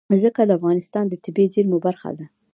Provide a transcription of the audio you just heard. ځمکه د افغانستان د طبیعي زیرمو برخه ده.